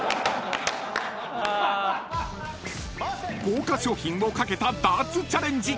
［豪華賞品を懸けたダーツチャレンジ］